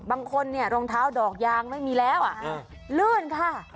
บางคนเนี่ยรองเท้าดอกยางไม่มีแล้วลื่นค่ะ